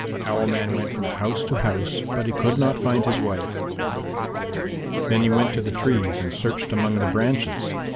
Owl man went from house to house, but he could not find his wife. Then he went to the trees and searched among the branches.